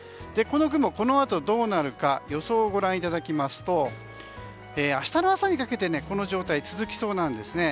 この雲、このあとどうなるか予想をご覧いただきますと明日の朝にかけてこの状態は続きそうです。